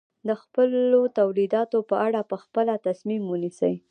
د خپلو تولیداتو په اړه په خپله تصمیم ونیسي.